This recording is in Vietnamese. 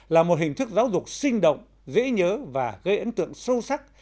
là một hình thức giáo dục sinh động dễ nhớ và gây ấn tượng sâu sắc